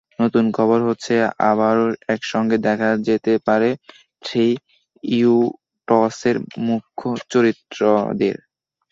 নতুন খবর হচ্ছে, আবারও একসঙ্গে দেখা যেতে পারে থ্রি ইডিয়টসের মুখ্য চরিত্রদের।